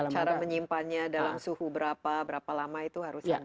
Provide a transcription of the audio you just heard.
cara menyimpannya dalam suhu berapa berapa lama itu harus ada